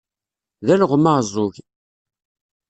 D alɣem aɛeẓẓug.